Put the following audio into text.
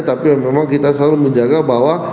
tapi memang kita selalu menjaga bahwa